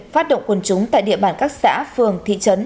phát động quân chúng tại địa bàn các xã phường thị trấn